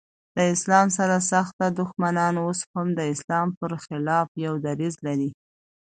د اسلام سر سخته دښمنان اوس هم د اسلام پر خلاف يو دريځ لري.